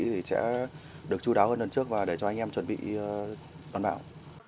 thì sẽ được chú đáo hơn lần trước và để cho anh em chuẩn bị bắn bão